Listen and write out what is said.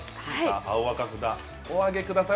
青赤札お上げください。